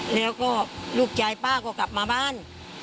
แล้วก็ลูกชายป้าก็กลับมาบ้าน